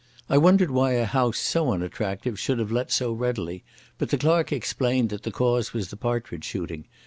I wondered why a house so unattractive should have let so readily, but the clerk explained that the cause was the partridge shooting.